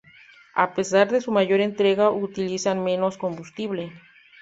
A pesar de su mayor entrega utilizan menos combustible.